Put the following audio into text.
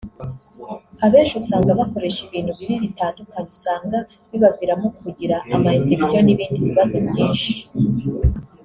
abenshi usanga bakoresha ibintu bibi bitandukanye usanga bibaviramo kugira ama infection n’ibindi bibazo byinshi